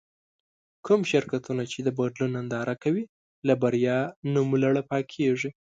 کوم شرکتونه چې د بدلون ننداره کوي له بريا نوملړه پاکېږي.